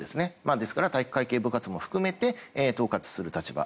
ですから、体育会系部活も含めて統括する立場。